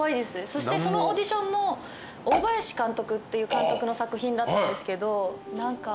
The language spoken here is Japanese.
そしてそのオーディションも大林監督っていう監督の作品だったんですけど。